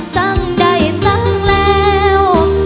สังใดสังแล้ว